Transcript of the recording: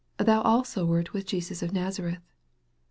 " Thou also wert with Jesus of Nazareth."